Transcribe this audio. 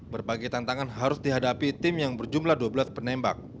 berbagai tantangan harus dihadapi tim yang berjumlah dua belas penembak